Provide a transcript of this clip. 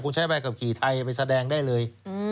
คุณใช้ใบขับขี่ไทยไปแสดงได้เลย